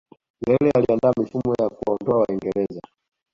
nyerere aliandaa mifumo ya kuwaondoa waingereza